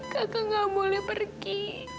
kakak gak boleh pergi